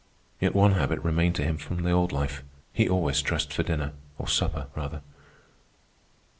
Yet one habit remained to him from the old life; he always dressed for dinner, or supper, rather.